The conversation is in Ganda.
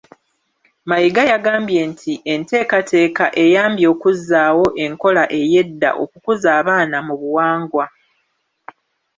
Mayiga yagambye nti enteekateeka eyambye okuzzaawo enkola ey’edda okukuza abaana mu buwangwa.